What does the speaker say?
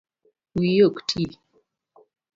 Wiyi ok ti